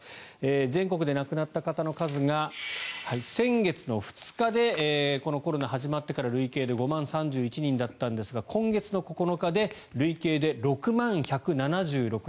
全国で亡くなった方の数が先月の２日でこのコロナ始まってから累計で５万３１人だったんですが今月の９日で累計で６万１７６人。